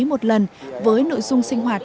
một lần với nội dung sinh hoạt